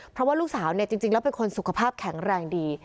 เพราะว่าลูกสาวเนี่ยจริงแล้วเป็นคนสุขภาพแข็งแรงดี